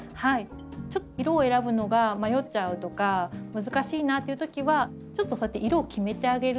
ちょっと色を選ぶのが迷っちゃうとか難しいなっていうときはちょっとそうやって色を決めてあげると。